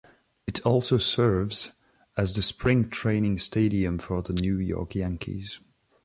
It also serves as the spring training stadium for the New York Yankees.